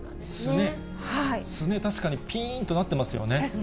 すね、確かにぴーんとなってますよね。